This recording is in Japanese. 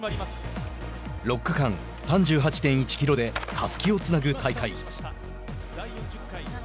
６区間、３８．１キロでたすきをつなぐ大会。